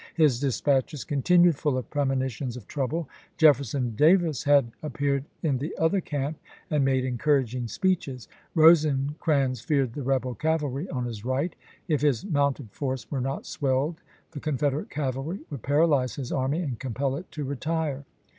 His dispatches continued full of premonitions of trouble. Jefferson Davis had ap peared in the other camp and made encouraging speeches. Rosecrans feared the rebel cavalry on his right; if his mounted force were not swelled the Confederate cavalry would paralyze his army and compel it to retire.